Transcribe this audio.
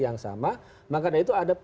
yang sama makanya itu ada